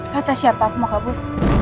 kata siapa aku mau kabul